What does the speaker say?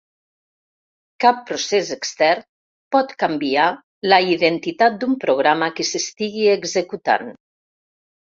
Cap procés extern pot canviar la identitat d'un programa que s'estigui executant.